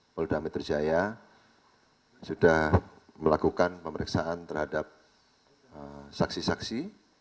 molda menterjaya sudah melakukan pemeriksaan terhadap saksi saksi